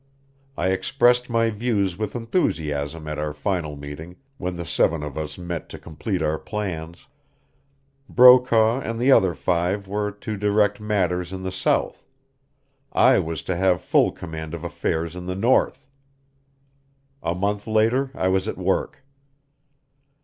I expressed my views with enthusiasm at our final meeting, when the seven of us met to complete our plans. Brokaw and the other five were to direct matters in the south; I was to have full command of affairs in the north. A month later I was at work.